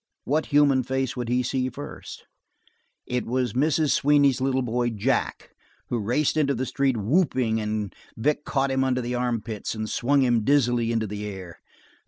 What human face would he see first? It was Mrs. Sweeney's little boy, Jack, who raced into the street whooping, and Vic caught him under the armpits and swung him dizzily into the air.